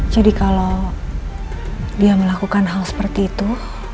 jadi kalo dia melakukan hal seperti itu